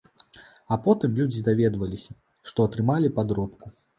А потым людзі даведваліся, што атрымалі падробку.